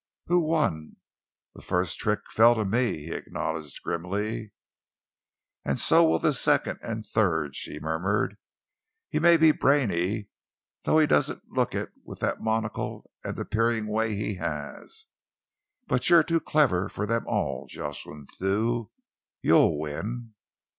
"Who won?" "The first trick fell to me," he acknowledged grimly. "And so will the second and the third," she murmured. "He may be brainy, though he doesn't look it with that monacle and the peering way he has, but you're too clever for them all, Jocelyn Thew. You'll win."